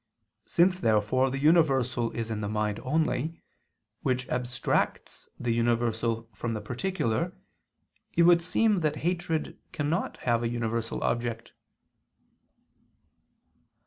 Since therefore the universal is in the mind only, which abstracts the universal from the particular, it would seem that hatred cannot have a universal object.